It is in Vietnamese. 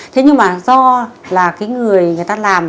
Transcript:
thế nhưng mà do là cái người người ta làm